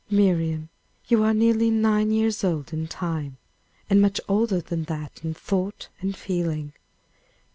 "Miriam, you are nearly nine years old in time, and much older than that in thought and feeling.